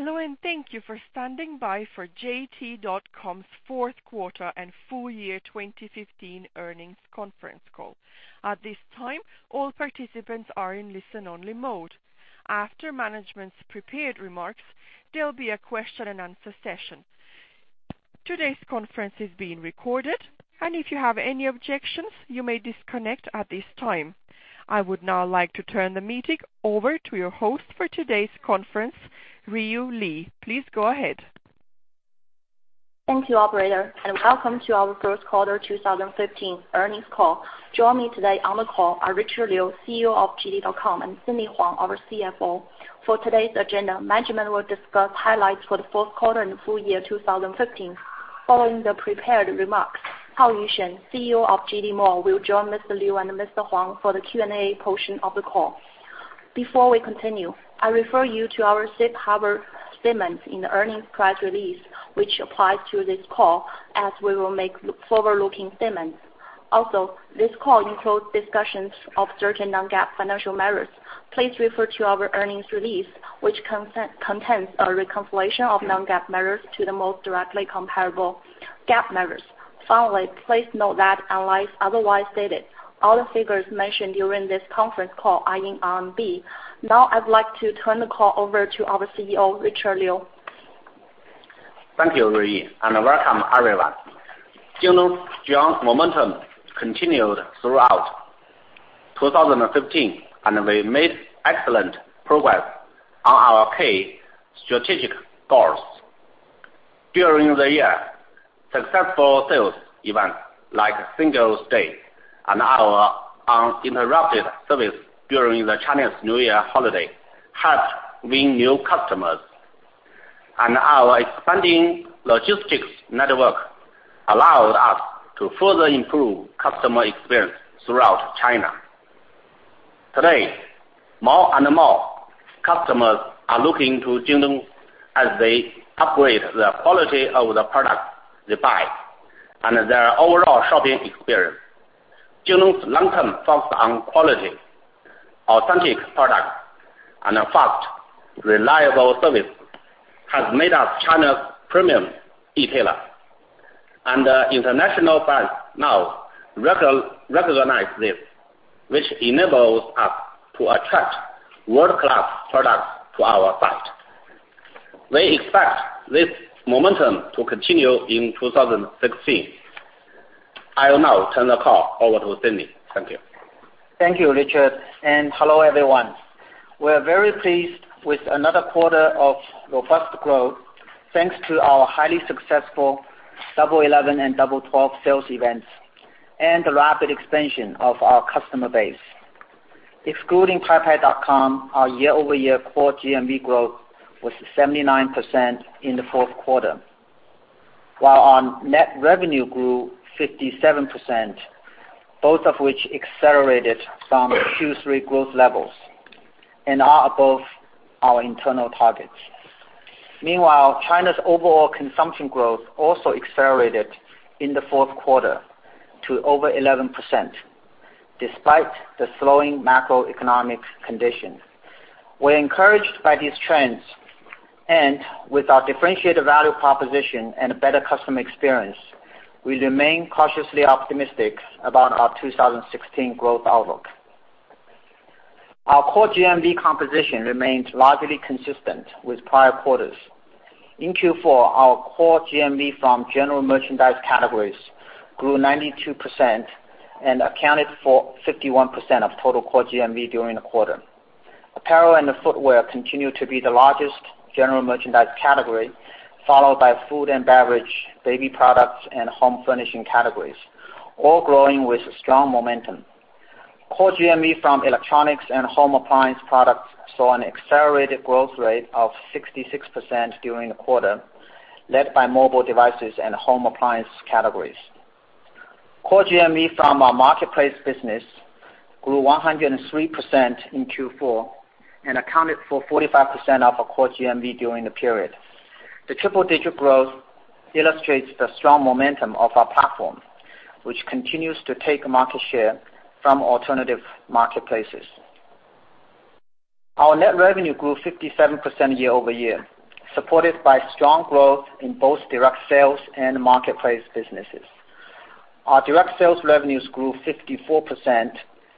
Hello. Thank you for standing by for JD.com's fourth quarter and full year 2015 earnings conference call. At this time, all participants are in listen-only mode. After management's prepared remarks, there'll be a question-and-answer session. Today's conference is being recorded. If you have any objections, you may disconnect at this time. I would now like to turn the meeting over to your host for today's conference, Ruiyu Li. Please go ahead. Thank you, operator. Welcome to our fourth quarter 2015 earnings call. Joining me today on the call are Richard Liu, CEO of JD.com, and Sidney Huang, our CFO. For today's agenda, management will discuss highlights for the fourth quarter and full year 2015. Following the prepared remarks, Shen Haoyu, CEO of JD Mall, will join Mr. Liu and Mr. Huang for the Q&A portion of the call. Before we continue, I refer you to our safe harbor statements in the earnings press release, which applies to this call as we will make forward-looking statements. This call includes discussions of certain non-GAAP financial measures. Please refer to our earnings release, which contains a reconciliation of non-GAAP measures to the most directly comparable GAAP measures. Please note that unless otherwise stated, all the figures mentioned during this conference call are in RMB. Now, I'd like to turn the call over to our CEO, Richard Liu. Thank you, Ruiyu. Welcome, everyone. JD's strong momentum continued throughout 2015. We made excellent progress on our key strategic goals. During the year, successful sales events like Singles' Day and our uninterrupted service during the Chinese New Year holiday helped win new customers. Our expanding logistics network allowed us to further improve customer experience throughout China. Today, more and more customers are looking to JD as they upgrade the quality of the products they buy and their overall shopping experience. JD's long-term focus on quality, authentic product, and fast, reliable service has made us China's premium e-tailer. International brands now recognize this, which enables us to attract world-class products to our site. We expect this momentum to continue in 2016. I will now turn the call over to Sidney. Thank you. Thank you, Richard, and hello, everyone. We're very pleased with another quarter of robust growth, thanks to our highly successful Double 11 and Double 12 sales events and the rapid expansion of our customer base. Excluding Paipai.com, our year-over-year core GMV growth was 79% in the fourth quarter, while our net revenue grew 57%, both of which accelerated from Q3 growth levels and are above our internal targets. Meanwhile, China's overall consumption growth also accelerated in the fourth quarter to over 11%, despite the slowing macroeconomic condition. With our differentiated value proposition and a better customer experience, we remain cautiously optimistic about our 2016 growth outlook. Our core GMV composition remains largely consistent with prior quarters. In Q4, our core GMV from general merchandise categories grew 92% and accounted for 51% of total core GMV during the quarter. Apparel and footwear continue to be the largest general merchandise category, followed by food and beverage, baby products, and home furnishing categories, all growing with strong momentum. Core GMV from electronics and home appliance products saw an accelerated growth rate of 66% during the quarter, led by mobile devices and home appliance categories. Core GMV from our marketplace business grew 103% in Q4 and accounted for 45% of our core GMV during the period. The triple-digit growth illustrates the strong momentum of our platform, which continues to take market share from alternative marketplaces. Our net revenue grew 57% year-over-year, supported by strong growth in both direct sales and marketplace businesses. Our direct sales revenues grew 54%,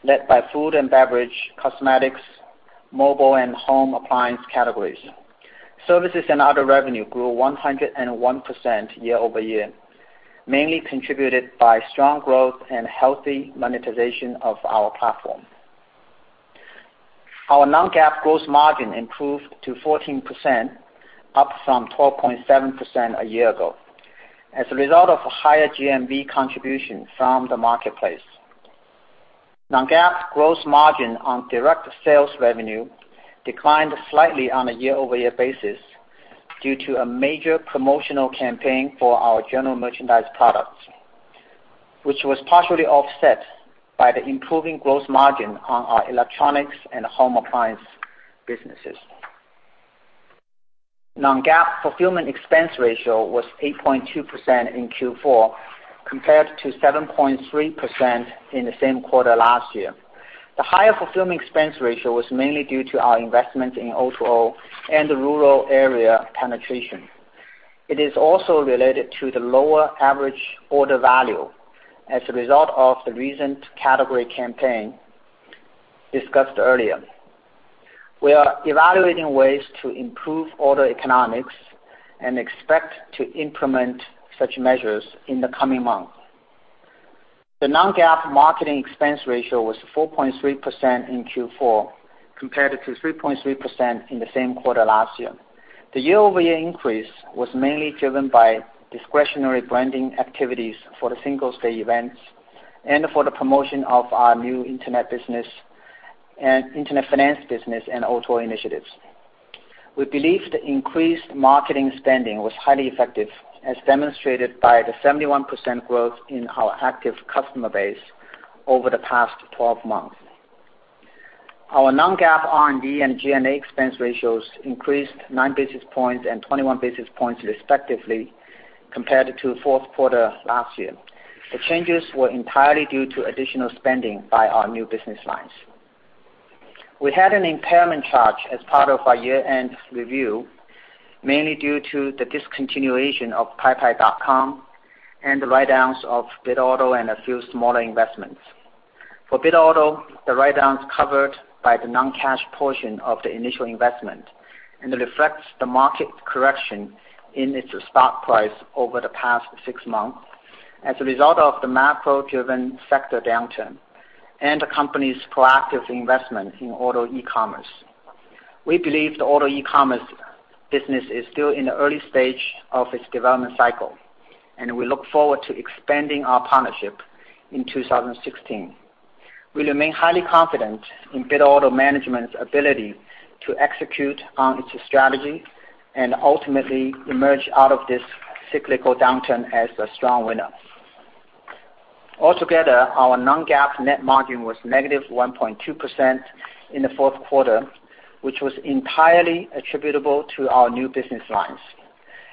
led by food and beverage, cosmetics, mobile, and home appliance categories. Services and other revenue grew 101% year-over-year, mainly contributed by strong growth and healthy monetization of our platform. Our non-GAAP gross margin improved to 14%, up from 12.7% a year ago, as a result of a higher GMV contribution from the marketplace. Non-GAAP gross margin on direct sales revenue declined slightly on a year-over-year basis due to a major promotional campaign for our general merchandise products, which was partially offset by the improving gross margin on our electronics and home appliance businesses. Non-GAAP fulfillment expense ratio was 8.2% in Q4 compared to 7.3% in the same quarter last year. The higher fulfillment expense ratio was mainly due to our investments in O2O and the rural area penetration. It is also related to the lower average order value as a result of the recent category campaign discussed earlier. We are evaluating ways to improve order economics and expect to implement such measures in the coming months. The non-GAAP marketing expense ratio was 4.3% in Q4, compared to 3.3% in the same quarter last year. The year-over-year increase was mainly driven by discretionary branding activities for the Singles' Day events and for the promotion of our new internet finance business and O2O initiatives. We believe the increased marketing spending was highly effective, as demonstrated by the 71% growth in our active customer base over the past 12 months. Our non-GAAP R&D and G&A expense ratios increased nine basis points and 21 basis points respectively compared to the fourth quarter last year. The changes were entirely due to additional spending by our new business lines. We had an impairment charge as part of our year-end review, mainly due to the discontinuation of Paipai.com and the write-downs of Bitauto and a few smaller investments. For Bitauto, the write-down is covered by the non-cash portion of the initial investment and it reflects the market correction in its stock price over the past six months as a result of the macro-driven sector downturn and the company's proactive investment in auto e-commerce. We believe the auto e-commerce business is still in the early stage of its development cycle, and we look forward to expanding our partnership in 2016. We remain highly confident in Bitauto management's ability to execute on its strategy and ultimately emerge out of this cyclical downturn as a strong winner. Altogether, our non-GAAP net margin was -1.2% in the fourth quarter, which was entirely attributable to our new business lines.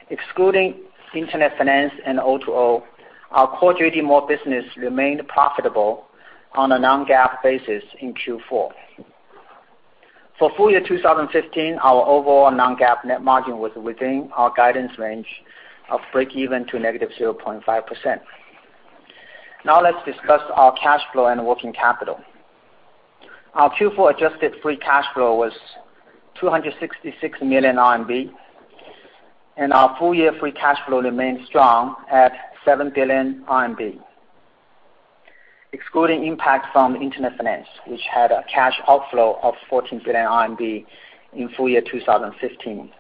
Excluding internet finance and O2O, our core JD Mall business remained profitable on a non-GAAP basis in Q4. For full year 2015, our overall non-GAAP net margin was within our guidance range of breakeven to -0.5%. Let's discuss our cash flow and working capital. Our Q4 adjusted free cash flow was 266 million RMB, and our full-year free cash flow remained strong at 7 billion RMB, excluding impact from internet finance, which had a cash outflow of 14 billion RMB in full year 2015.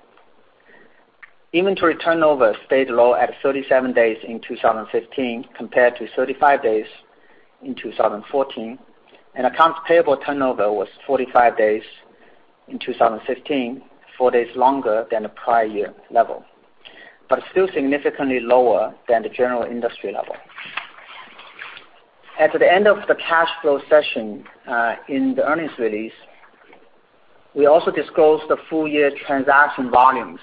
Inventory turnover stayed low at 37 days in 2015 compared to 35 days in 2014, and accounts payable turnover was 45 days in 2015, four days longer than the prior year level, but still significantly lower than the general industry level. At the end of the cash flow session in the earnings release, we also disclosed the full-year transaction volumes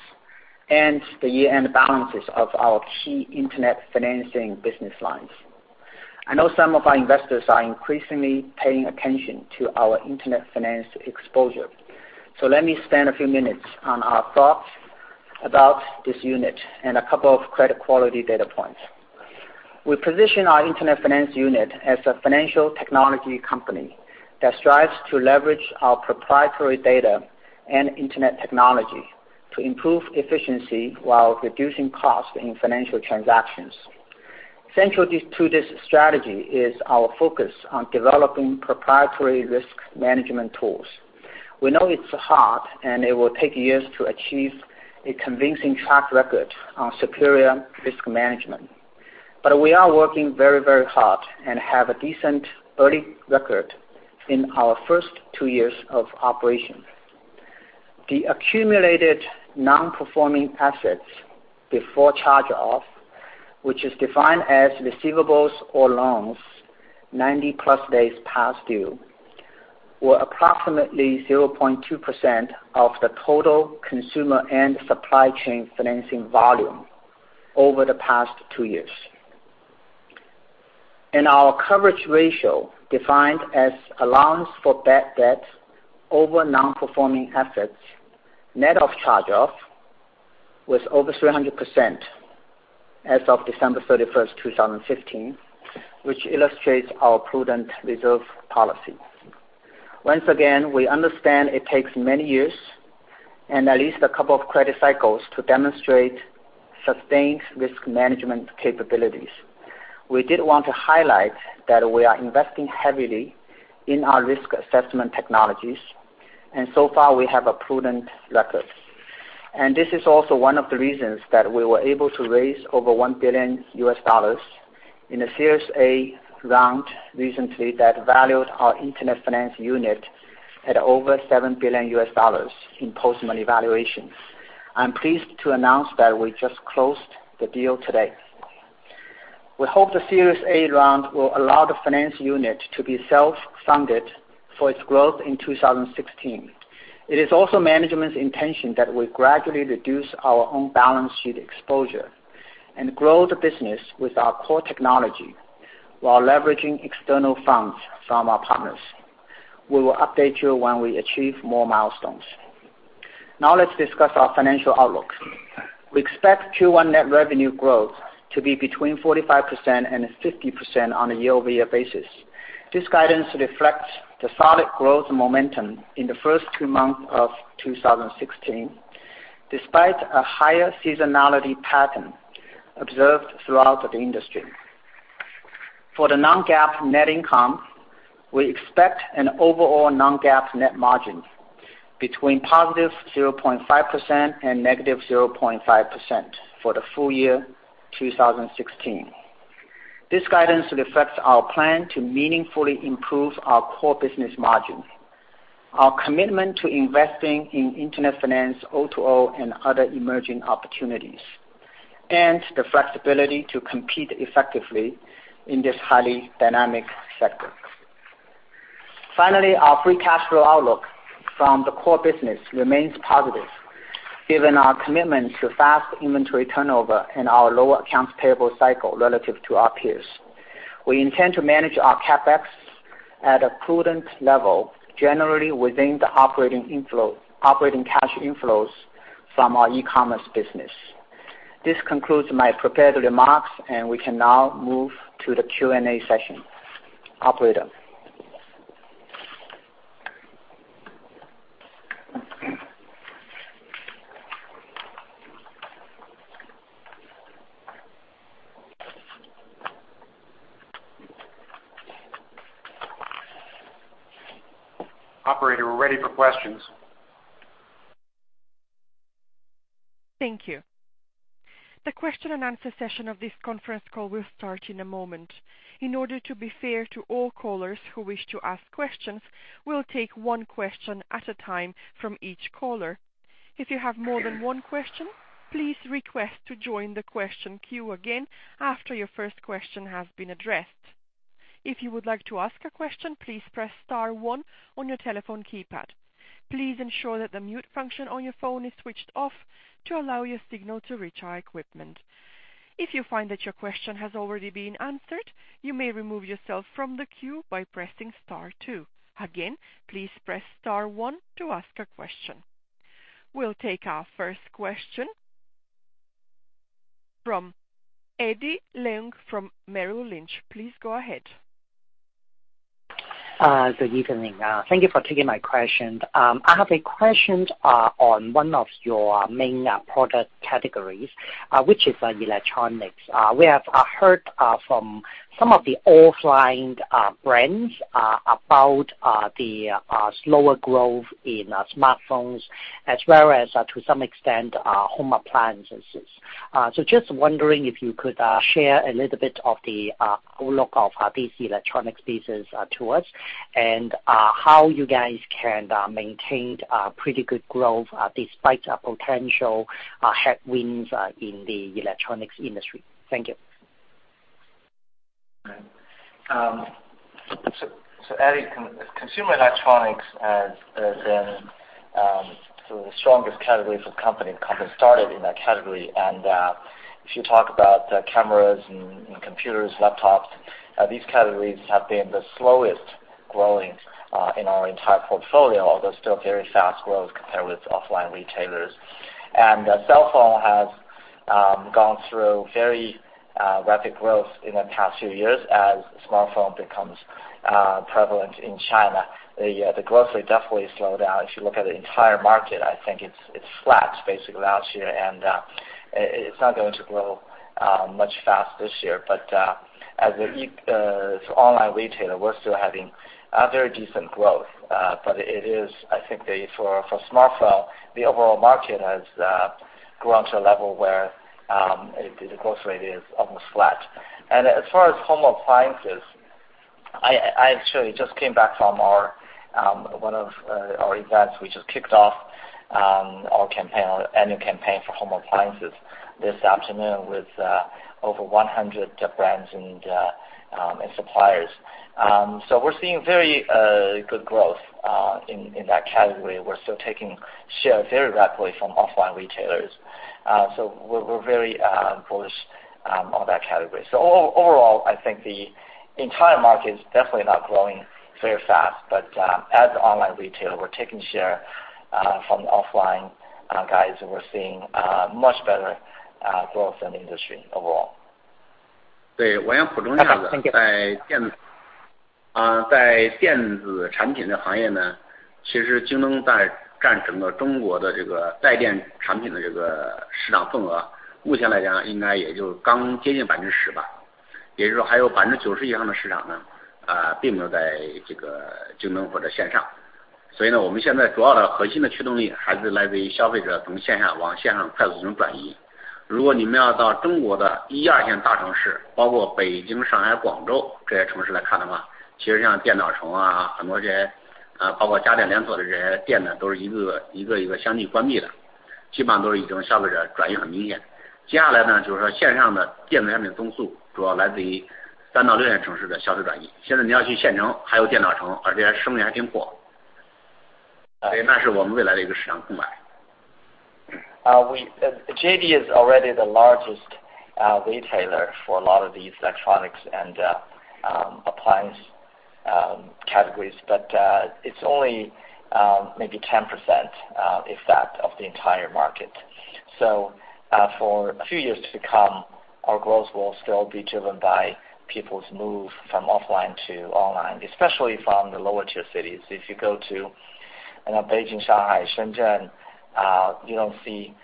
and the year-end balances of our key internet financing business lines. I know some of our investors are increasingly paying attention to our internet finance exposure, let me spend a few minutes on our thoughts about this unit and a couple of credit quality data points. We position our internet finance unit as a financial technology company that strives to leverage our proprietary data and internet technology to improve efficiency while reducing costs in financial transactions. Central to this strategy is our focus on developing proprietary risk management tools. We know it's hard, and it will take years to achieve a convincing track record on superior risk management. We are working very hard and have a decent early record in our first two years of operation. The accumulated non-performing assets before charge-off, which is defined as receivables or loans 90-plus days past due, were approximately 0.2% of the total consumer and supply chain financing volume over the past two years. Our coverage ratio, defined as allowance for bad debt over non-performing assets, net of charge-off, was over 300% as of December 31st, 2015, which illustrates our prudent reserve policy. Once again, we understand it takes many years and at least a couple of credit cycles to demonstrate sustained risk management capabilities. We did want to highlight that we are investing heavily in our risk assessment technologies, and so far we have a prudent record. This is also one of the reasons that we were able to raise over $1 billion in a Series A round recently that valued our internet finance unit at over $7 billion in post-money valuations. I'm pleased to announce that we just closed the deal today. We hope the Series A round will allow the finance unit to be self-funded for its growth in 2016. It is also management's intention that we gradually reduce our own balance sheet exposure and grow the business with our core technology while leveraging external funds from our partners. We will update you when we achieve more milestones. Now let's discuss our financial outlook. We expect Q1 net revenue growth to be between 45% and 50% on a year-over-year basis. This guidance reflects the solid growth momentum in the first 2 months of 2016, despite a higher seasonality pattern observed throughout the industry. For the non-GAAP net income, we expect an overall non-GAAP net margin between positive 0.5% and negative 0.5% for the full year 2016. This guidance reflects our plan to meaningfully improve our core business margin, our commitment to investing in internet finance, O2O, and other emerging opportunities, and the flexibility to compete effectively in this highly dynamic sector. Our free cash flow outlook from the core business remains positive given our commitment to fast inventory turnover and our lower accounts payable cycle relative to our peers. We intend to manage our CapEx at a prudent level, generally within the operating cash inflows from our e-commerce business. This concludes my prepared remarks, and we can now move to the Q&A session. Operator. Operator, we're ready for questions. Thank you. The question-and-answer session of this conference call will start in a moment. In order to be fair to all callers who wish to ask questions, we'll take one question at a time from each caller. If you have more than one question, please request to join the question queue again after your first question has been addressed. If you would like to ask a question, please press star 1 on your telephone keypad. Please ensure that the mute function on your phone is switched off to allow your signal to reach our equipment. If you find that your question has already been answered, you may remove yourself from the queue by pressing star 2. Again, please press star 1 to ask a question. We'll take our first question from Eddie Leung from Merrill Lynch. Please go ahead. Good evening. Thank you for taking my question. I have a question on one of your main product categories, which is on electronics. We have heard from some of the offline brands about the slower growth in smartphones as well as, to some extent, home appliances. Just wondering if you could share a little bit of the outlook of this electronics business to us and how you guys can maintain pretty good growth despite potential headwinds in the electronics industry. Thank you. Eddie, consumer electronics has been the strongest category for the company. The company started in that category, if you talk about cameras and computers, laptops, these categories have been the slowest-growing in our entire portfolio, although still very fast growth compared with offline retailers. The cellphone has gone through very rapid growth in the past few years as smartphone becomes prevalent in China. The growth rate definitely slowed down. If you look at the entire market, I think it's flat basically now and it's not going to grow much fast this year. As an online retailer, we're still having very decent growth. I think for smartphone, the overall market has grown to a level where the growth rate is almost flat. As far as home appliances, I actually just came back from one of our events. We just kicked off our annual campaign for home appliances this afternoon with over 100 brands and suppliers. We're seeing very good growth in that category. We're still taking share very rapidly from offline retailers. We're very bullish on that category. Overall, I think the entire market is definitely not growing very fast. As an online retailer, we're taking share from the offline guys, and we're seeing much better growth in the industry overall. JD is already the largest retailer for a lot of these electronics and appliance categories, but it's only maybe 10% if that, of the entire market. For a few years to come, our growth will still be driven by people's move from offline to online, especially from the lower tier cities. If you go to Beijing, Shanghai, Shenzhen, you don't see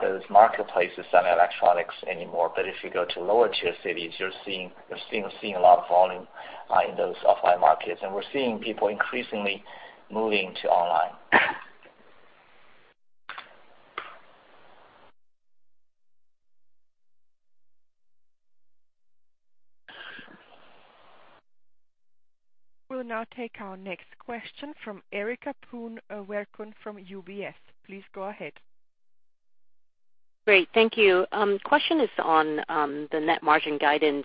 those marketplaces selling electronics anymore. If you go to lower tier cities, you're still seeing a lot of volume in those offline markets, and we're seeing people increasingly moving to online. We'll now take our next question from Erica Poon from UBS. Please go ahead. Great. Thank you. Question is on the net margin guidance.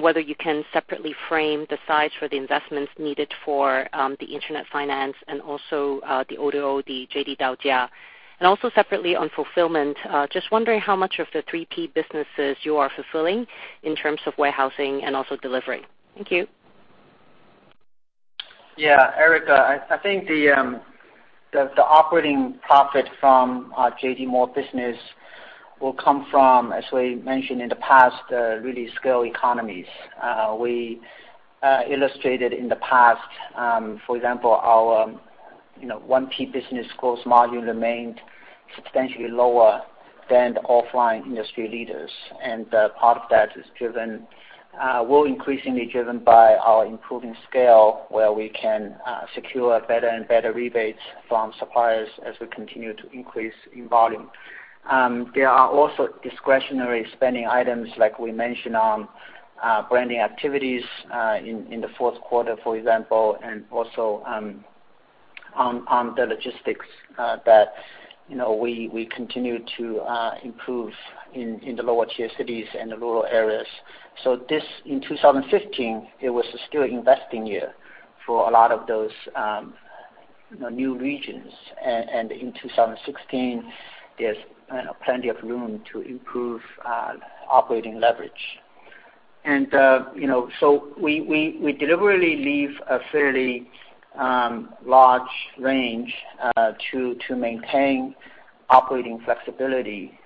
Whether you can separately frame the size for the investments needed for the Internet finance and also the O2O, the JD Daojia. Separately on fulfillment, just wondering how much of the 3P businesses you are fulfilling in terms of warehousing and also delivery. Thank you. Yeah. Erica, I think the operating profit from JD Mall business will come from, as we mentioned in the past, really scale economies. We illustrated in the past, for example, our 1P business cost module remained substantially lower than the offline industry leaders, and part of that is will increasingly driven by our improving scale, where we can secure better and better rebates from suppliers as we continue to increase in volume. There are also discretionary spending items, like we mentioned on branding activities in the fourth quarter, for example, and also on the logistics that we continue to improve in the lower tier cities and the rural areas. In 2015, it was still investing year for a lot of those new regions. In 2016, there's plenty of room to improve operating leverage. We deliberately leave a fairly large range to maintain operating flexibility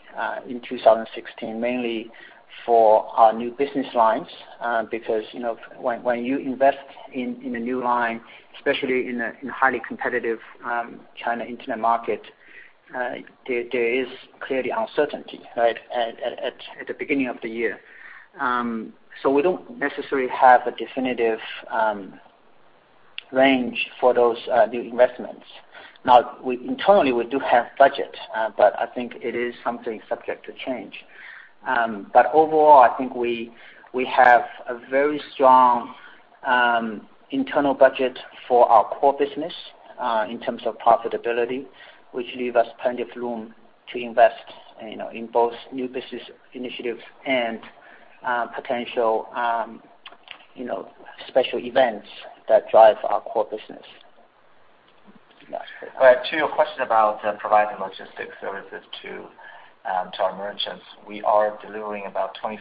in 2016, mainly for our new business lines. Because when you invest in a new line, especially in a highly competitive China Internet market, there is clearly uncertainty at the beginning of the year. We don't necessarily have a definitive range for those new investments. Now, internally, we do have budget, but I think it is something subject to change. Overall, I think we have a very strong internal budget for our core business in terms of profitability, which leave us plenty of room to invest in both new business initiatives and potential special events that drive our core business. To your question about providing logistics services to our merchants, we are delivering about 25%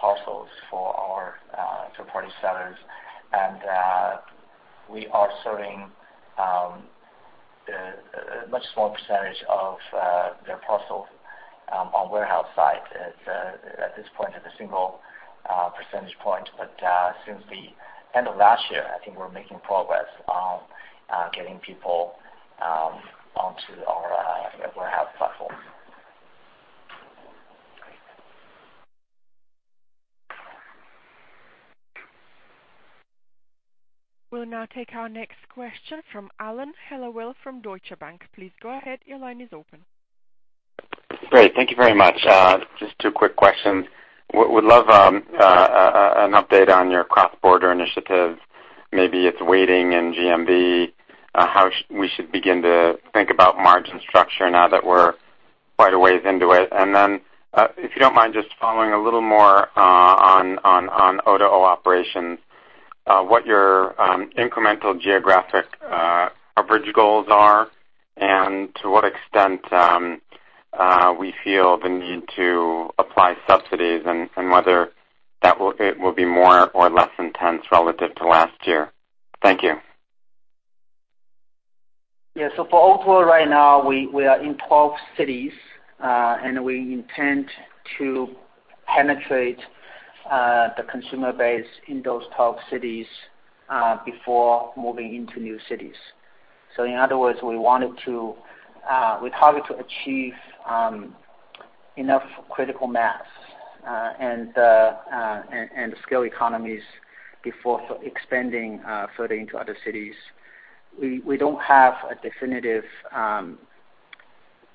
parcels for our third-party sellers, and we are serving a much small percentage of their parcels on warehouse side at this point at a single percentage point. Since the end of last year, I think we're making progress on getting people onto our warehouse platform. We'll now take our next question from Alan Hellawell from Deutsche Bank. Please go ahead. Your line is open. Great. Thank you very much. Just two quick questions. Would love an update on your cross-border initiative. Maybe it's waiting in GMV. How we should begin to think about margin structure now that we're quite a ways into it? If you don't mind just following a little more on O2O operations, what your incremental geographic coverage goals are, and to what extent we feel the need to apply subsidies, and whether it will be more or less intense relative to last year. Thank you. Yeah. For O2O right now, we are in 12 cities, and we intend to penetrate the consumer base in those 12 cities before moving into new cities. In other words, we target to achieve enough critical mass and scale economies before expanding further into other cities. We don't have a definitive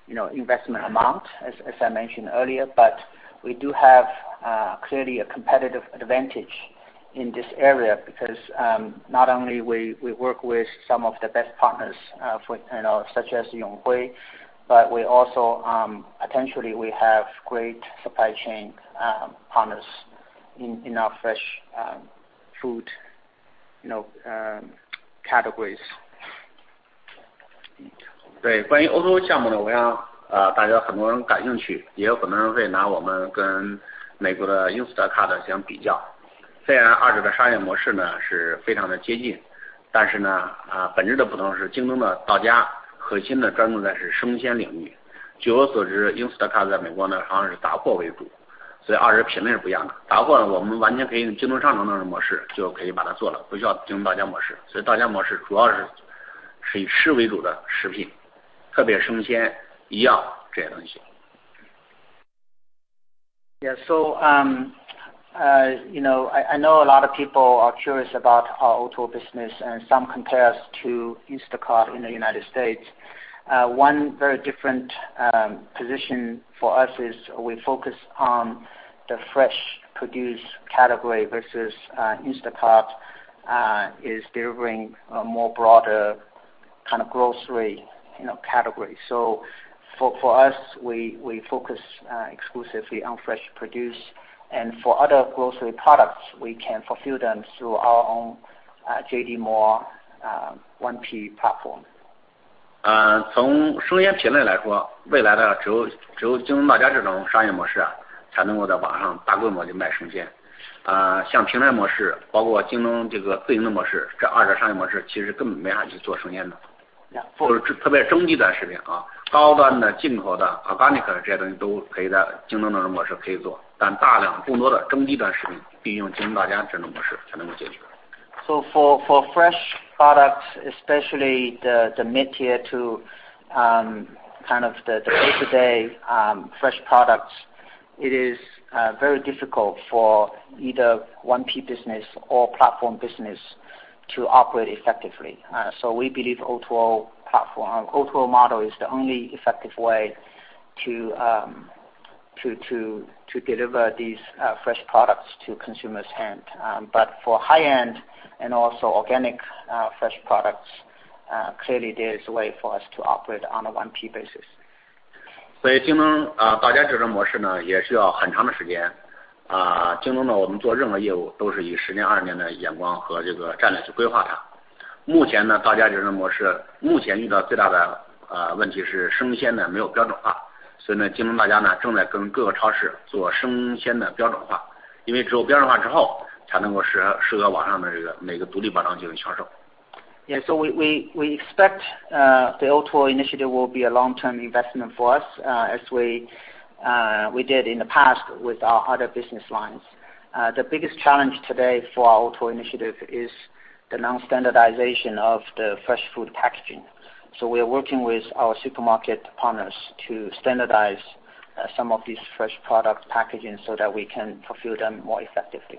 investment amount, as I mentioned earlier. We do have clearly a competitive advantage in this area because not only we work with some of the best partners such as Yonghui, but also potentially we have great supply chain partners in our fresh food categories. 关于O2O项目，我想大家很多人感兴趣，也有很多人会拿我们跟美国的Instacart相比较。虽然二者的商业模式是非常的接近，但是本质的不同是，京东到家核心的专注在生鲜领域。据我所知，Instacart在美国好像是杂货为主，所以二者品类是不一样的。杂货我们完全可以用京东商城的那种模式就可以把它做了，不需要京东到家模式。所以到家模式主要是以湿为主的食品，特别生鲜、医药这些东西。Yes, I know a lot of people are curious about our O2O business, and some compare us to Instacart in the U.S. One very different position for us is we focus on the fresh produce category versus Instacart is delivering a more broader kind of grocery category. For us, we focus exclusively on fresh produce, and for other grocery products, we can fulfill them through our own JD Mall 1P platform. 从生鲜品类来说，未来的只有京东到家这种商业模式才能够在网上大规模地卖生鲜。像平台模式，包括京东自营的模式，这二者商业模式其实根本没法去做生鲜的。或者特别中低端食品，高端的、进口的、organic这些东西都可以在京东的这种模式可以做。但大量普通的、中低端食品必须用京东到家这种模式才能够解决。For fresh products, especially the mid-tier to the day-to-day fresh products, it is very difficult for either 1P business or platform business to operate effectively. We believe O2O model is the only effective way to deliver these fresh products to consumers' hand. For high-end and also organic fresh products, clearly there is a way for us to operate on a 1P basis. 所以京东到家这种模式也需要很长的时间。京东我们做任何业务都是以十年、二十年的眼光和战略去规划它。目前到家这种模式遇到最大的问题是生鲜没有标准化。所以京东到家正在跟各个超市做生鲜的标准化，因为只有标准化之后才能够适合网上的独立包装进行销售。Yeah. We expect the O2O initiative will be a long-term investment for us, as we did in the past with our other business lines. The biggest challenge today for our O2O initiative is the non-standardization of the fresh food packaging. We are working with our supermarket partners to standardize some of these fresh product packaging so that we can fulfill them more effectively.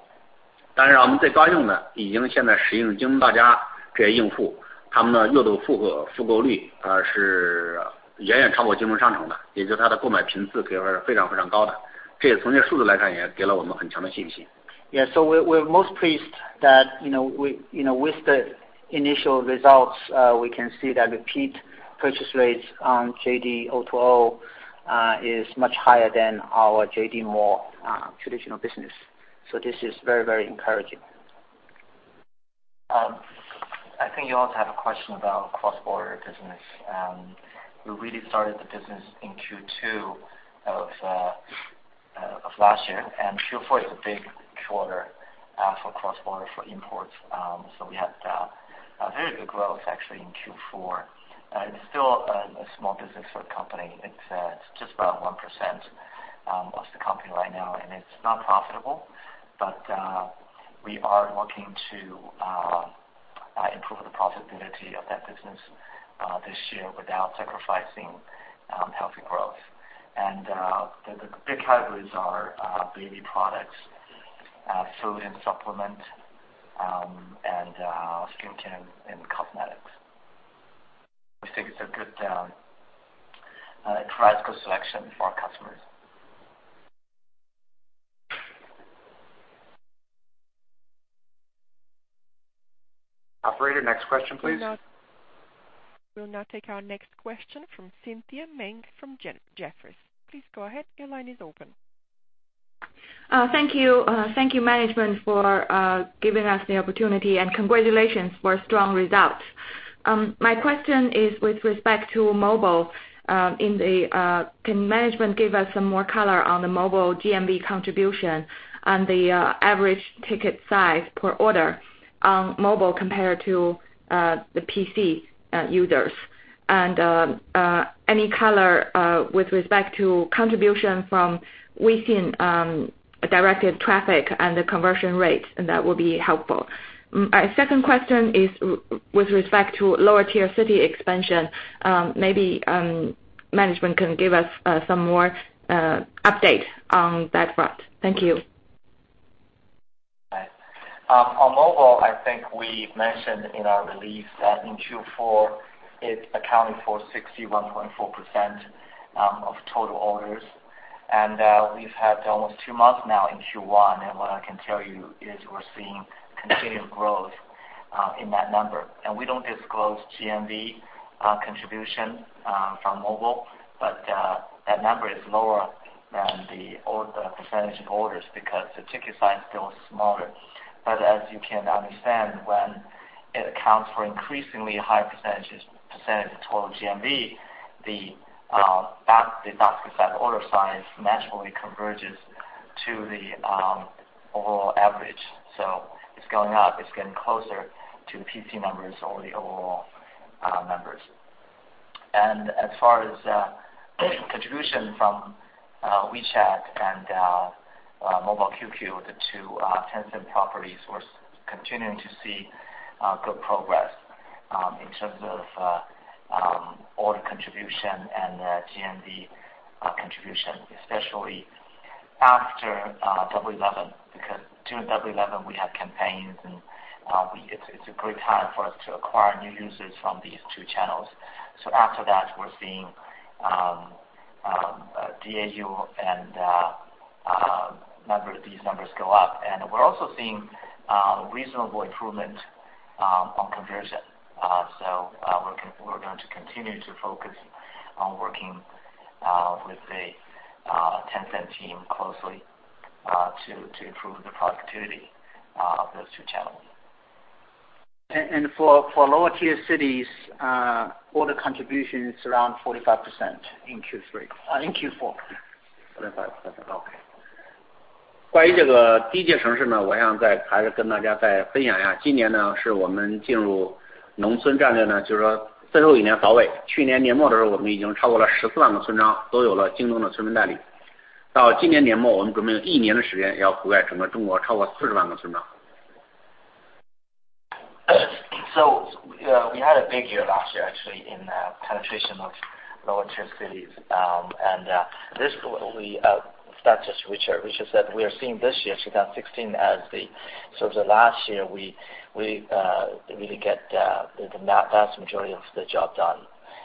当然，我们最高用的，已经现在使用京东到家这些用户，他们的月度复购率是远远超过京东商城的，也就是他的购买频次是非常高的。这也从这个数字来看，也给了我们很强的信心。Yeah. We're most pleased that with the initial results, we can see that repeat purchase rates on JD O2O is much higher than our JD Mall traditional business. This is very encouraging. I think you also have a question about cross-border business. We really started the business in Q2 of last year. Q4 is a big quarter for cross-border for imports. We had a very good growth actually in Q4. It is still a small business for the company. It is just about 1% of the company right now, and it is not profitable. We are looking to improve the profitability of that business this year without sacrificing healthy growth. The big categories are baby products, food and supplement, and skincare and cosmetics. We think it is a good practical selection for our customers. Operator, next question, please. We will now take our next question from Cynthia Meng from Jefferies. Please go ahead. Your line is open. Thank you. Thank you, management, for giving us the opportunity, and congratulations for strong results. My question is with respect to mobile. Can management give us some more color on the mobile GMV contribution and the average ticket size per order on mobile compared to the PC users? Any color with respect to contribution from Weixin directed traffic and the conversion rate? That will be helpful. My second question is with respect to lower-tier city expansion. Maybe management can give us some more update on that front. Thank you. On mobile, I think we mentioned in our release that in Q4, it accounted for 61.4% of total orders. We've had almost two months now in Q1, and what I can tell you is we're seeing continued growth in that number. We don't disclose GMV contribution from mobile, but that number is lower than the percentage of orders because the ticket size is still smaller. As you can understand, when it accounts for an increasingly high percentage of total GMV, the basket size order size naturally converges to the overall average. It's going up. It's getting closer to the PC numbers or the overall numbers. As far as contribution from WeChat and Mobile QQ, the two Tencent properties, we're continuing to see good progress in terms of order contribution and GMV contribution, especially after Double 11, because during Double 11 we have campaigns, and it's a great time for us to acquire new users from these two channels. After that, we're seeing DAU and these numbers go up. We're also seeing reasonable improvement on conversion. We're going to continue to focus on working with the Tencent team closely to improve the productivity of those two channels. For lower tier cities, order contribution is around 45% in Q4. 45%. Okay. We had a big year last year, actually, in penetration of lower tier cities. The last year, we really get the vast majority of the job done.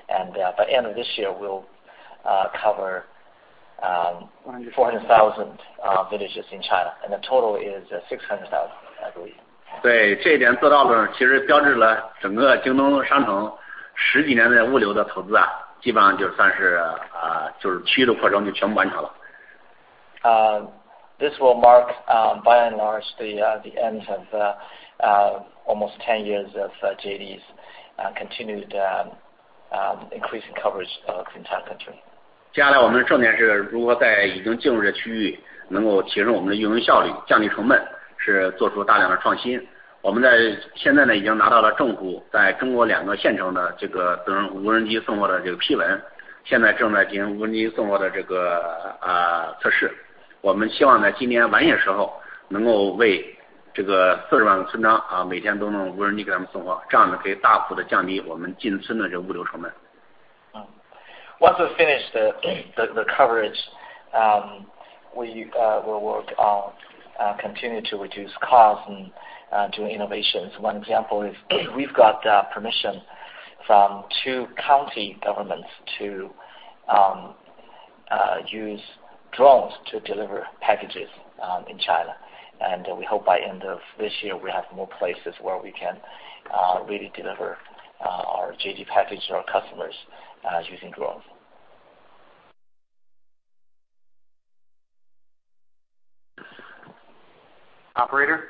By end of this year, we'll cover- 400,000 400,000 villages in China. The total is 600,000, I believe. This will mark, by and large, the end of almost 10 years of JD's continued increasing coverage of the entire country. Once we finish the coverage, we will work on continuing to reduce costs and do innovations. One example is we've got permission from two county governments to use drones to deliver packages in China. We hope by end of this year, we have more places where we can really deliver our JD package to our customers using drones. Operator?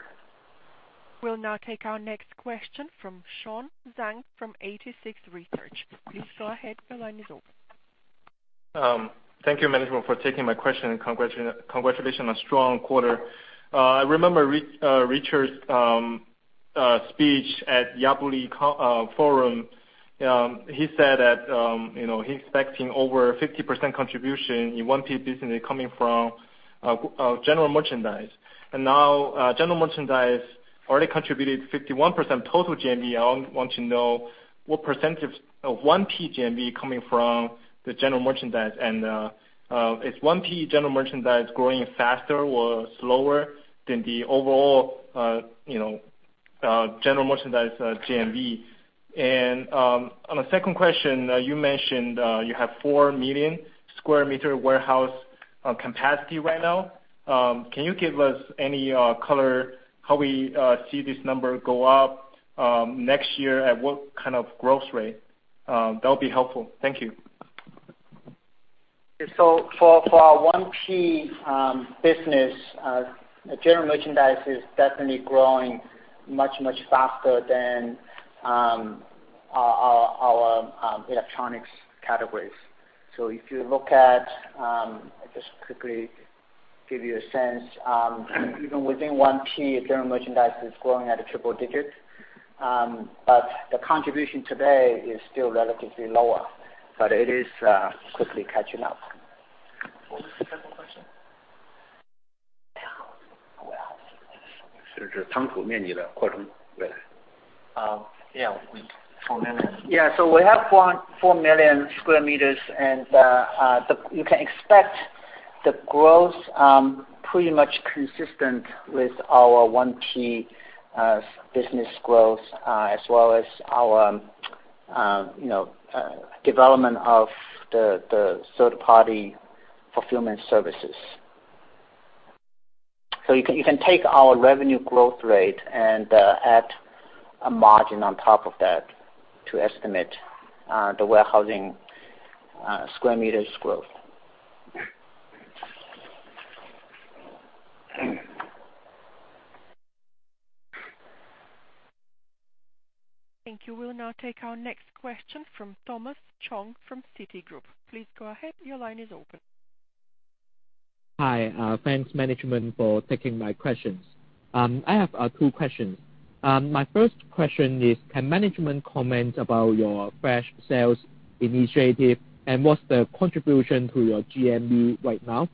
We'll now take our next question from Sean Zhang from 86Research. Please go ahead. Your line is open. Thank you management for taking my question, and congratulations on a strong quarter. I remember Richard's speech at Yabuli Forum. He said that he's expecting over 50% contribution in 1P business coming from general merchandise. Now, general merchandise already contributed 51% total GMV. I want to know what percentage of 1P GMV coming from the general merchandise, and is 1P general merchandise growing faster or slower than the overall general merchandise GMV? On a second question, you mentioned you have four million sq m warehouse capacity right now. Can you give us any color how we see this number go up next year and what kind of growth rate? That'll be helpful. Thank you. For our 1P business, general merchandise is definitely growing much, much faster than our electronics categories. If you look at I'll just quickly give you a sense. Even within 1P, general merchandise is growing at a triple digit. The contribution today is still relatively lower. It is quickly catching up. What was the second question? Yeah, 4 million. We have 4 million square meters, and you can expect the growth pretty much consistent with our 1P business growth, as well as our development of the third-party fulfillment services. You can take our revenue growth rate and add a margin on top of that to estimate the warehousing square meters growth. Thank you. We will now take our next question from Thomas Chong from Citigroup. Please go ahead. Your line is open. Hi. Thanks management for taking my questions. I have two questions. My first question is, can management comment about your fresh sales initiative and what's the contribution to your GMV right now?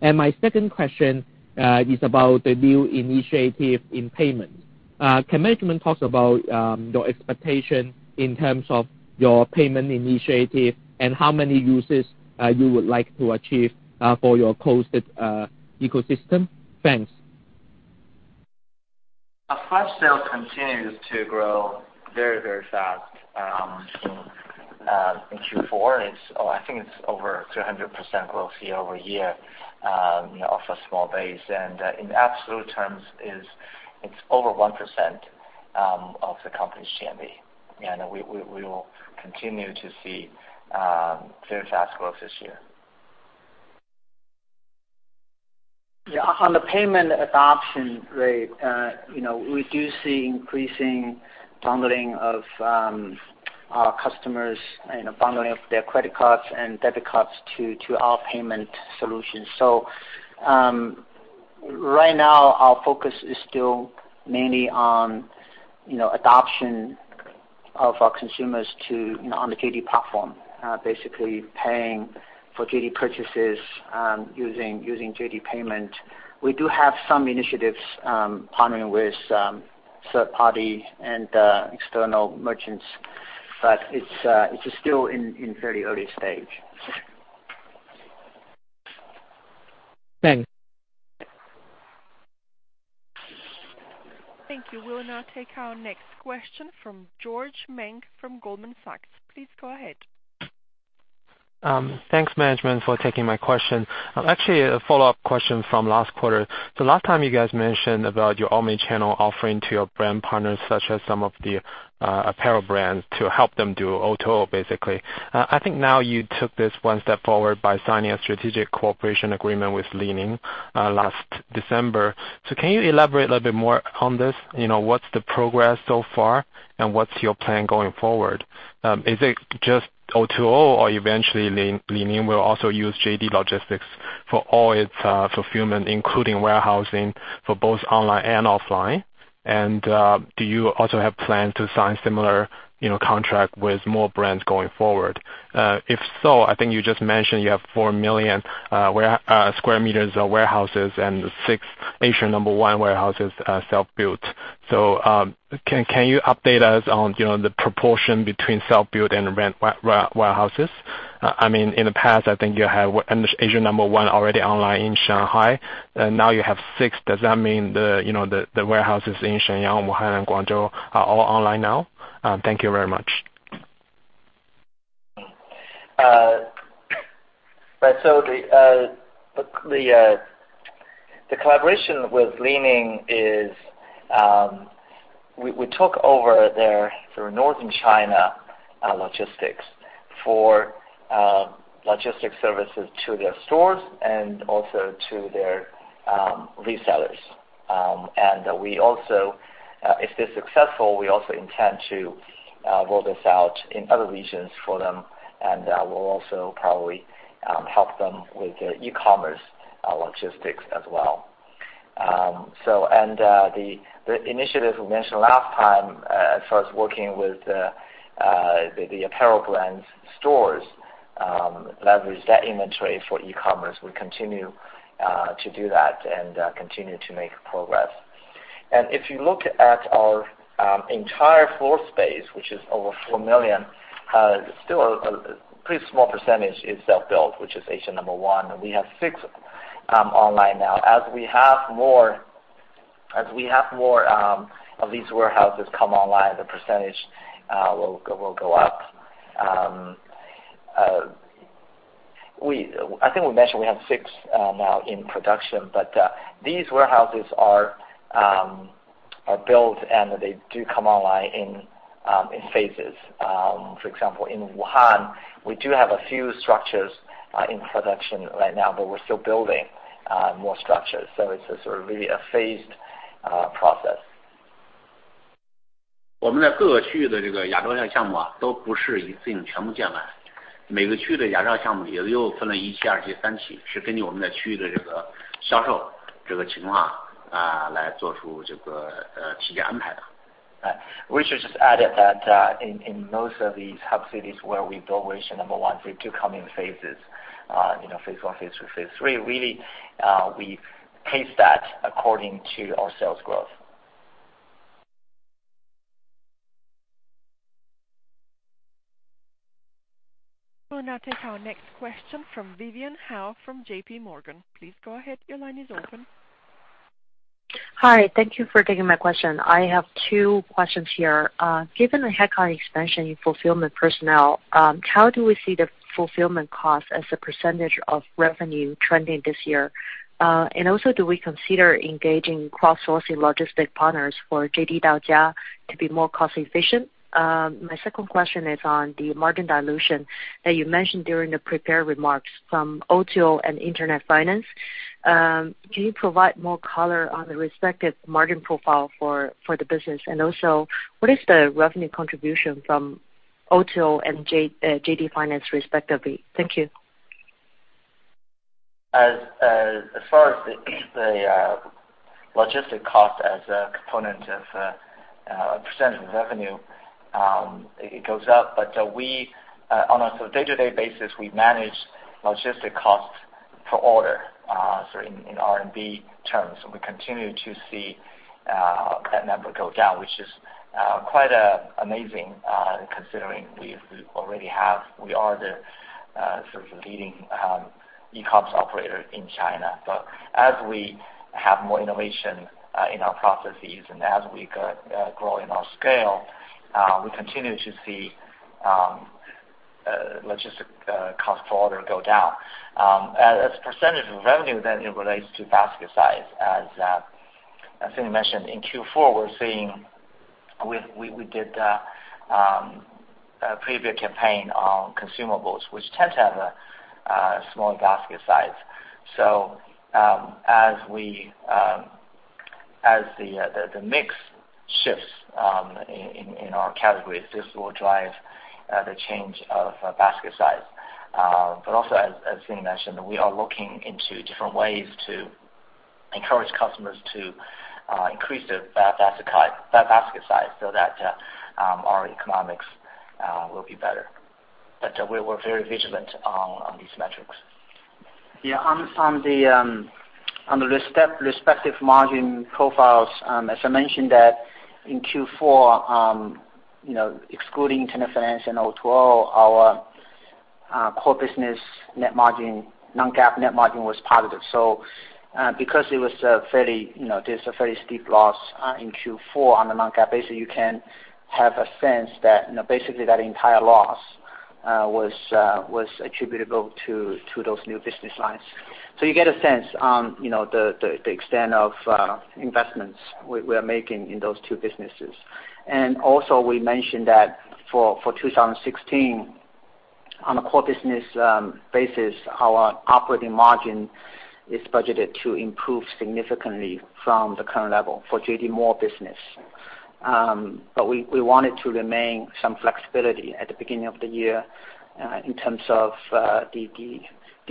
My second question is about the new initiative in payment. Can management talk about your expectation in terms of your payment initiative and how many users you would like to achieve for your closed ecosystem? Thanks. Fresh sales continues to grow very, very fast. In Q4, I think it's over 200% growth year-over-year, off a small base. In absolute terms, it's over 1% of the company's GMV. We will continue to see very fast growth this year. Yeah. On the payment adoption rate, we do see increasing bundling of our customers and bundling of their credit cards and debit cards to our payment solutions. Right now, our focus is still mainly on adoption of our consumers on the JD platform. Basically paying for JD purchases using JD payment. We do have some initiatives partnering with third party and external merchants, but it's still in very early stage. Thanks. Thank you. We'll now take our next question from George Meng from Goldman Sachs. Please go ahead. Thanks management for taking my question. Actually, a follow-up question from last quarter. Last time you guys mentioned about your omni-channel offering to your brand partners such as some of the apparel brands to help them do O2O, basically. I think now you took this 1 step forward by signing a strategic cooperation agreement with Li-Ning last December. Can you elaborate a little bit more on this? What's the progress so far, and what's your plan going forward? Is it just O2O or eventually Li-Ning will also use JD Logistics for all its fulfillment, including warehousing for both online and offline? Do you also have plans to sign similar contract with more brands going forward? If so, I think you just mentioned you have 4 million sq m of warehouses and 6 Asia No. 1 warehouses are self-built. Can you update us on the proportion between self-built and rent warehouses? In the past, I think you had Asia No. 1 already online in Shanghai. Now you have 6. Does that mean the warehouses in Shenyang, Wuhan, and Guangzhou are all online now? Thank you very much. The collaboration with Li-Ning is, we took over their Northern China logistics for logistics services to their stores and also to their resellers. If they're successful, we also intend to roll this out in other regions for them, and we'll also probably help them with e-commerce logistics as well. The initiative we mentioned last time, as far as working with the apparel brands stores, leverage that inventory for e-commerce. We continue to do that and continue to make progress. If you look at our entire floor space, which is over 4 million, still a pretty small percentage is self-built, which is Asia No. 1, and we have 6 online now. As we have more of these warehouses come online, the percentage will go up. I think we mentioned we have 6 now in production, but these warehouses are built and they do come online in phases. For example, in Wuhan, we do have a few structures in production right now, but we're still building more structures. It's really a phased process. Richard just added that in most of these hub cities where we build Asia No. 1, they do come in phases. Phase 1, Phase 2, Phase 3. Really, we pace that according to our sales growth. We'll now take our next question from Vivian Hao from JP Morgan. Please go ahead. Your line is open. Hi. Thank you for taking my question. I have two questions here. Given the headcount expansion in fulfillment personnel, how do we see the fulfillment cost as a percentage of revenue trending this year? Also, do we consider engaging cross-sourcing logistic partners for JD Daojia to be more cost-efficient? My second question is on the margin dilution that you mentioned during the prepared remarks from O2O and internet finance. Can you provide more color on the respective margin profile for the business? Also, what is the revenue contribution from O2O and JD Finance, respectively? Thank you. As far as the logistic cost as a component of percentage of revenue, it goes up. On a day-to-day basis, we manage logistic costs per order, in RMB terms, and we continue to see that number go down, which is quite amazing considering we are the leading e-commerce operator in China. As we have more innovation in our processes, and as we grow in our scale, we continue to see logistic cost per order go down. As a percentage of revenue, it relates to basket size. As Sidney mentioned, in Q4, we did a preview campaign on consumables, which tend to have a smaller basket size. As the mix shifts in our categories, this will drive the change of basket size. Also, as Sidney mentioned, we are looking into different ways to encourage customers to increase their basket size, so that our economics will be better. We're very vigilant on these metrics. On the respective margin profiles, as I mentioned that in Q4, excluding internet finance and O2O, our core business non-GAAP net margin was positive. Because there's a very steep loss in Q4 on the non-GAAP basis, you can have a sense that basically that entire loss was attributable to those new business lines. Also, we mentioned that for 2016, on a core business basis, our operating margin is budgeted to improve significantly from the current level for JD Mall business. We wanted to remain some flexibility at the beginning of the year in terms of the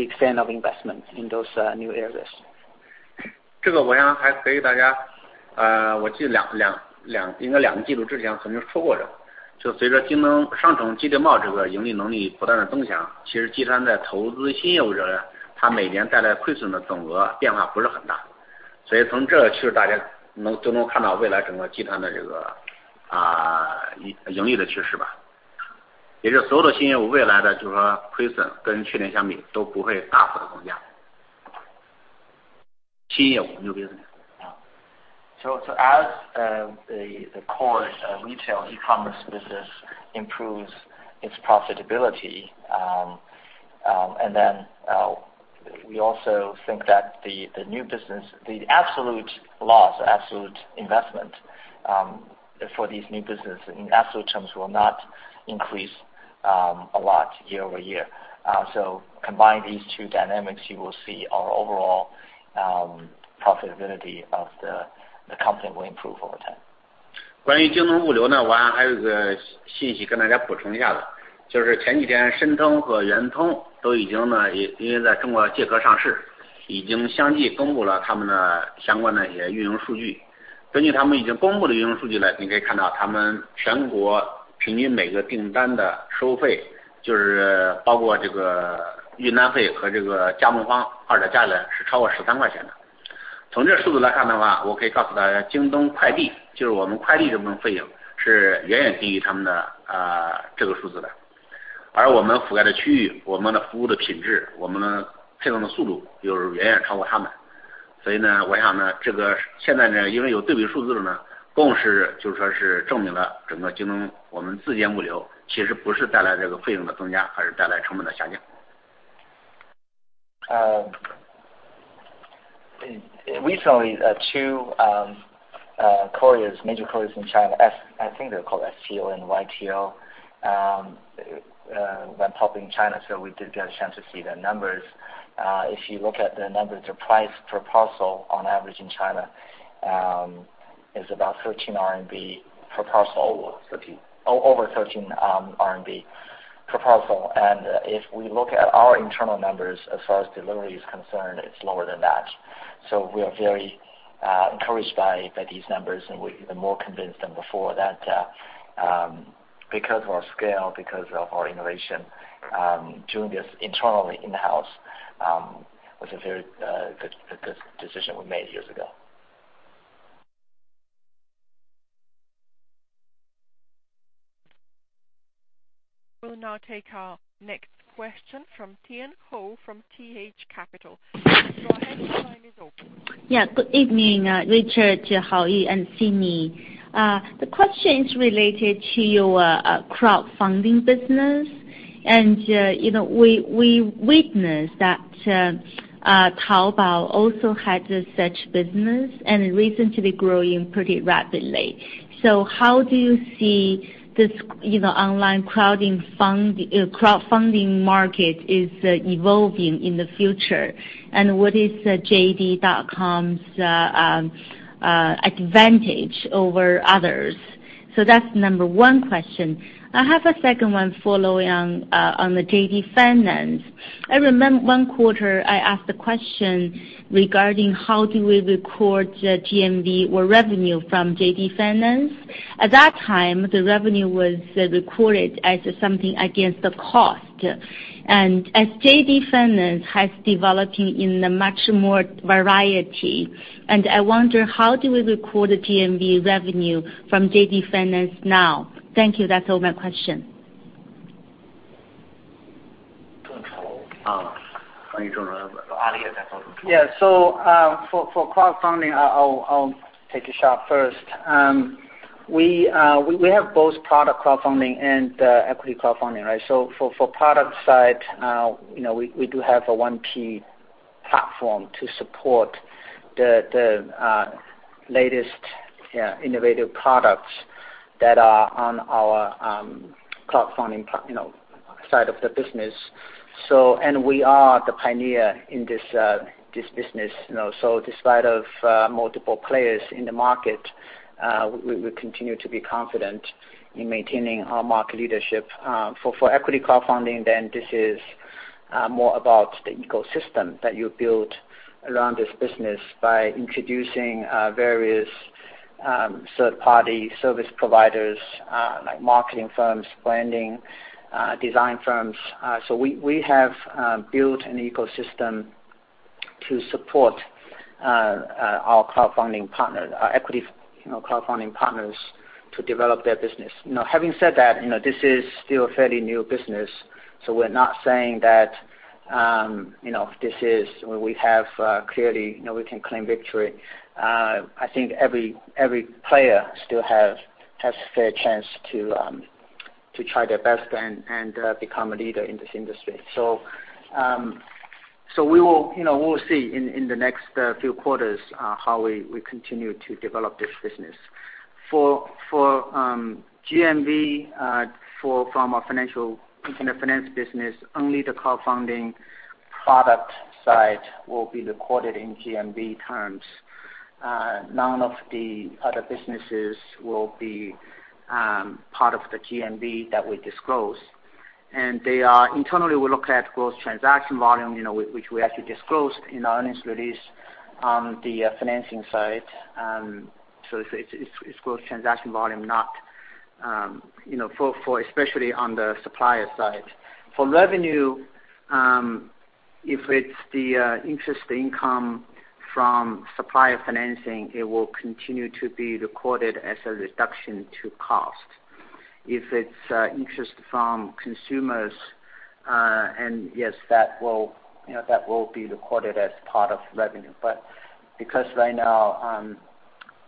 extent of investments in those new areas. As the core retail e-commerce business improves its profitability, then we also think that the absolute loss, absolute investment for these new business in absolute terms will not increase a lot year-over-year. Combine these two dynamics, you will see our overall profitability of the company will improve over time. Recently, two major couriers in China, I think they're called STO and YTO, went public in China. We did get a chance to see their numbers. If you look at the numbers, the price per parcel on average in China is about 13 RMB per parcel. Over 13. Over 13 RMB per parcel. If we look at our internal numbers, as far as delivery is concerned, it's lower than that. We are very encouraged by these numbers, and we're even more convinced than before that because of our scale, because of our innovation, doing this internally in-house was a very good decision we made years ago. We'll now take our next question from Tian Hou from T.H. Capital. Go ahead, your line is open. Good evening, Richard, Haoyu, and Sidney. The question is related to your crowdfunding business. We witnessed that Taobao also has such business, and recently growing pretty rapidly. How do you see this online crowdfunding market is evolving in the future, and what is JD.com's advantage over others? That's number one question. I have a second one following on the JD Finance. I remember one quarter I asked a question regarding how do we record GMV or revenue from JD Finance. At that time, the revenue was recorded as something against the cost. As JD Finance has developing in a much more variety, and I wonder, how do we record the GMV revenue from JD Finance now? Thank you. That's all my question. Control. Are you doing the audio control? Yeah. For crowdfunding, I'll take a shot first. We have both product crowdfunding and equity crowdfunding. For product side, we do have a 1P platform to support the latest innovative products that are on our crowdfunding side of the business. We are the pioneer in this business. Despite of multiple players in the market, we continue to be confident in maintaining our market leadership. For equity crowdfunding, this is more about the ecosystem that you build around this business by introducing various third-party service providers, like marketing firms, branding, design firms. We have built an ecosystem to support our crowdfunding partners, our equity crowdfunding partners to develop their business. Having said that, this is still a fairly new business, so we're not saying that we can claim victory. I think every player still has a fair chance to try their best and become a leader in this industry. We will see in the next few quarters how we continue to develop this business. For GMV, from our finance business, only the crowdfunding product side will be recorded in GMV terms. None of the other businesses will be part of the GMV that we disclose. Internally, we look at gross transaction volume, which we actually disclose in our earnings release on the financing side. It's gross transaction volume, especially on the supplier side. For revenue, if it's the interest income from supplier financing, it will continue to be recorded as a reduction to cost. If it's interest from consumers, and yes, that will be recorded as part of revenue. Because right now,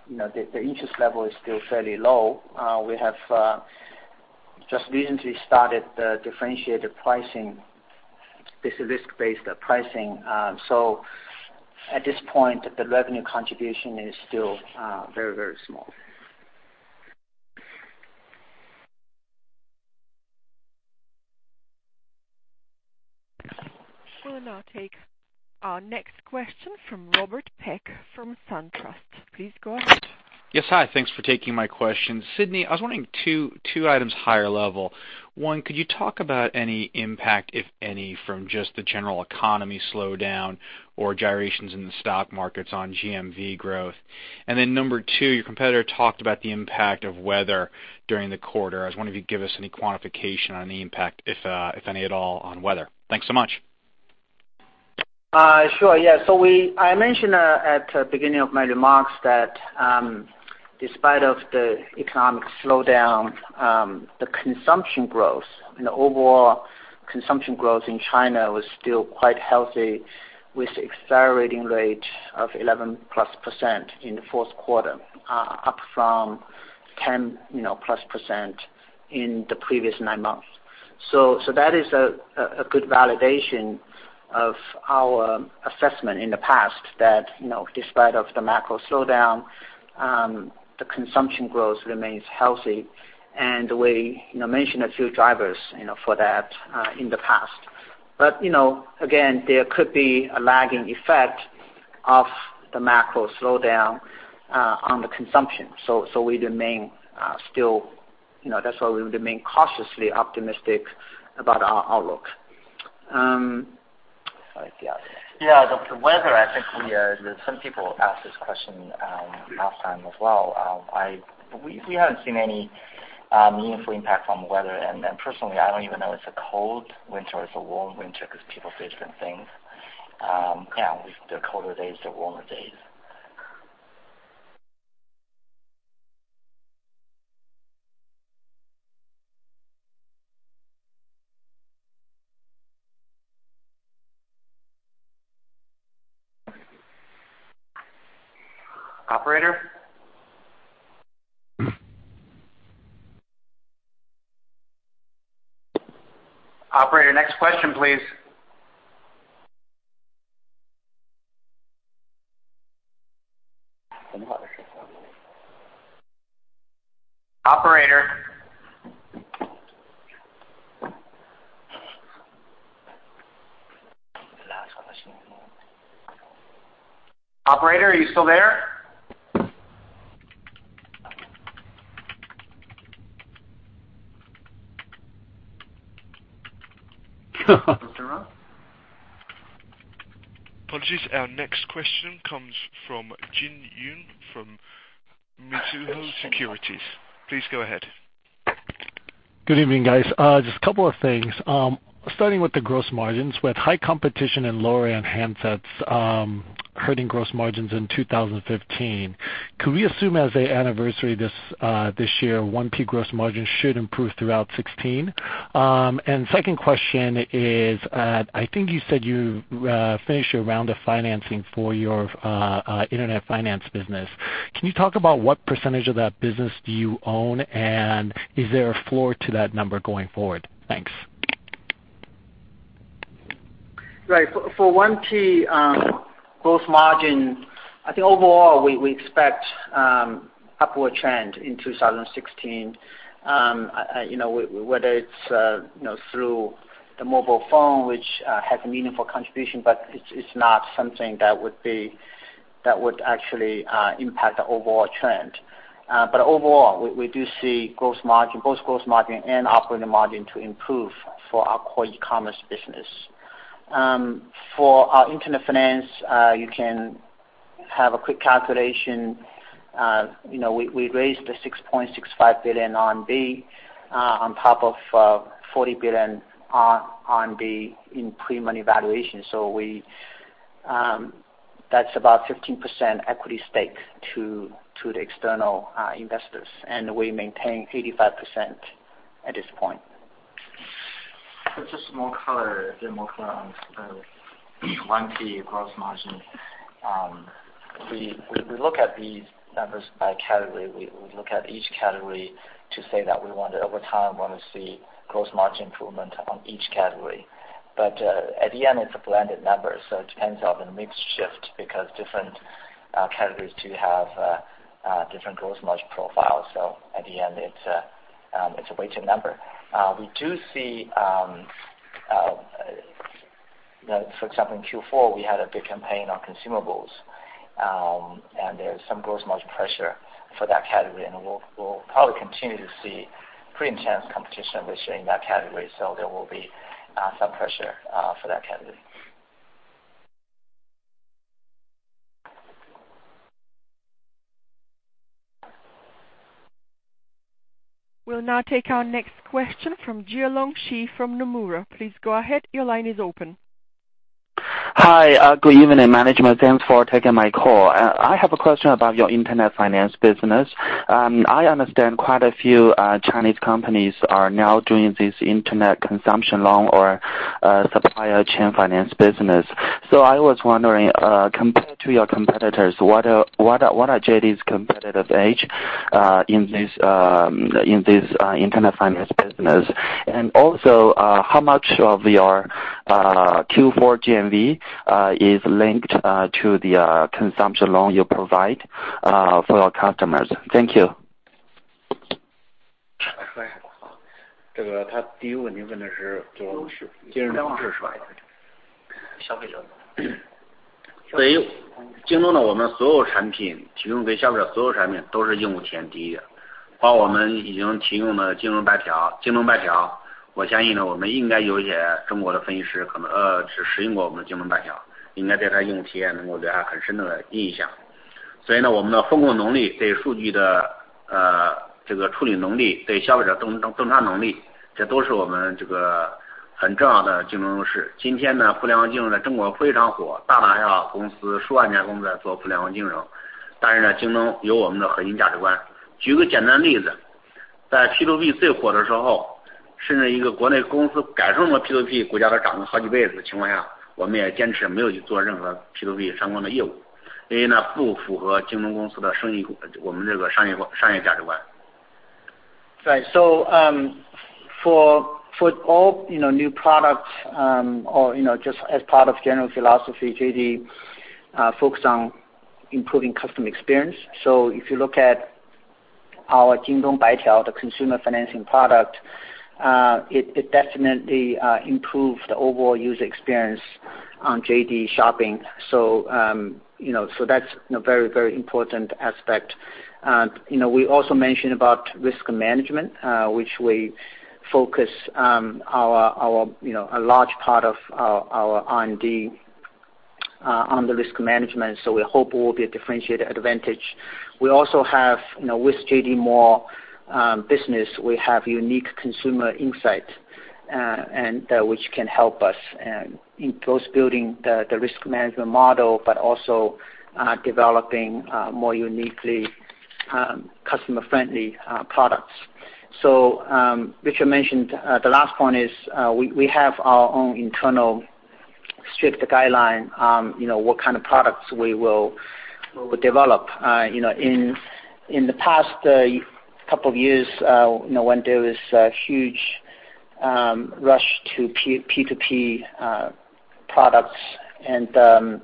the interest level is still fairly low, we have just recently started the differentiated pricing. This is risk-based pricing. At this point, the revenue contribution is still very, very small. We'll now take our next question from Robert Peck from SunTrust. Please go ahead. Yes. Hi, thanks for taking my question. Sidney, I was wondering two items higher level. One, could you talk about any impact, if any, from just the general economy slowdown or gyrations in the stock markets on GMV growth? Number 2, your competitor talked about the impact of weather during the quarter. I was wondering if you give us any quantification on the impact, if any at all, on weather. Thanks so much. Sure. I mentioned at the beginning of my remarks that despite of the economic slowdown, the consumption growth, the overall consumption growth in China was still quite healthy, with accelerating rate of 11-plus% in the fourth quarter, up from 10-plus% in the previous nine months. That is a good validation of our assessment in the past that despite of the macro slowdown, the consumption growth remains healthy. We mentioned a few drivers for that in the past. Again, there could be a lagging effect of the macro slowdown on the consumption. That's why we remain cautiously optimistic about our outlook. The weather, I think some people asked this question last time as well. We haven't seen any Meaningful impact on weather. Personally, I don't even know it's a cold winter or it's a warm winter because people say different things, with the colder days, the warmer days. Operator? Operator, next question, please. Operator? Operator, are you still there? Apologies. Our next question comes from Jin Yoon from Mizuho Securities. Please go ahead. Good evening, guys. Just a couple of things. Starting with the gross margins. With high competition and lower-end handsets hurting gross margins in 2015, could we assume as an anniversary this year, 1P gross margin should improve throughout 2016? Second question is, I think you said you finished your round of financing for your internet finance business. Can you talk about what percentage of that business do you own, and is there a floor to that number going forward? Thanks. Right. For 1P gross margin, I think overall, we expect upward trend in 2016. Whether it's through the mobile phone, which has a meaningful contribution, but it's not something that would actually impact the overall trend. Overall, we do see both gross margin and operating margin to improve for our core e-commerce business. For our internet finance, you can have a quick calculation. We raised 6.65 billion RMB, on top of 40 billion RMB in pre-money valuation. That's about 15% equity stake to the external investors, and we maintain 85% at this point. Just a bit more color on the 1P gross margin. We look at these numbers by category. We look at each category to say that over time, we want to see gross margin improvement on each category. At the end, it's a blended number, so it depends on the mix shift because different categories do have different gross margin profiles. At the end, it's a weighted number. We do see, for example, in Q4, we had a big campaign on consumables, and there's some gross margin pressure for that category. We'll probably continue to see pretty intense competition within that category. There will be some pressure for that category. We'll now take our next question from Jialong Shi from Nomura. Please go ahead. Your line is open. Hi. Good evening, management. Thanks for taking my call. I have a question about your internet finance business. I understand quite a few Chinese companies are now doing this internet consumption loan or supply chain finance business. I was wondering, compared to your competitors, what are JD's competitive edge in this internet finance business? Also, how much of your Q4 GMV is linked to the consumption loan you provide for your customers? Thank you. For all new products, or just as part of general philosophy, JD focus on improving customer experience. If you look at our Jingdong Baitiao, the consumer financing product, it definitely improved the overall user experience on JD shopping. That's a very important aspect. We also mentioned about risk management, which we focus a large part of our R&D on the risk management. We hope it will be a differentiated advantage. We also have, with JD Mall business, we have unique consumer insight, which can help us in both building the risk management model, but also developing more uniquely customer-friendly products. Richard mentioned, the last point is, we have our own internal strict guideline, what kind of products we will develop. In the past couple of years, when there was a huge rush to P2P products,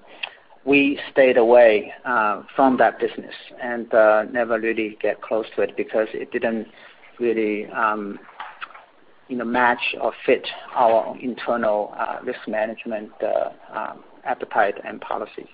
we stayed away from that business and never really get close to it, because it didn't really match or fit our internal risk management appetite and policy.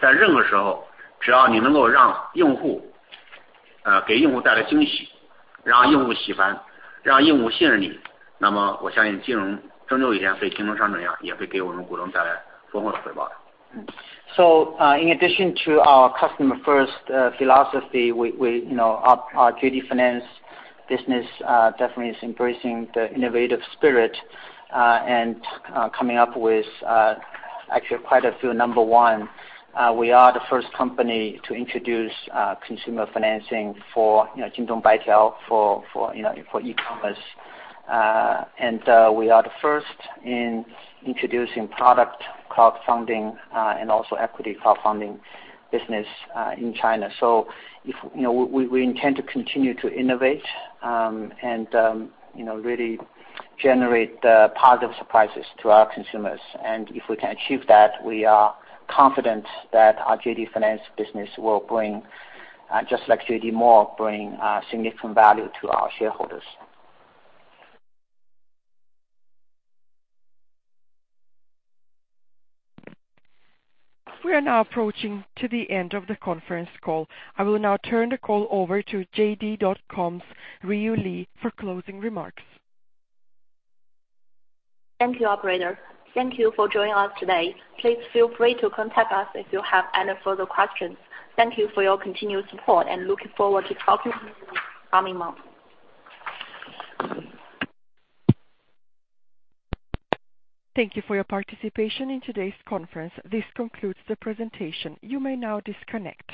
In addition to our customer-first philosophy, our JD Finance business definitely is embracing the innovative spirit, and coming up with actually quite a few number one. We are the first company to introduce consumer financing for Jingdong Baitiao, for e-commerce. We are the first in introducing product crowdfunding, and also equity crowdfunding business in China. We intend to continue to innovate, and really generate positive surprises to our consumers. If we can achieve that, we are confident that our JD Finance business will, just like JD Mall, bring significant value to our shareholders. We are now approaching to the end of the conference call. I will now turn the call over to JD.com's Ruiyu Li for closing remarks. Thank you, operator. Thank you for joining us today. Please feel free to contact us if you have any further questions. Thank you for your continued support and looking forward to talking with you coming month. Thank you for your participation in today's conference. This concludes the presentation. You may now disconnect.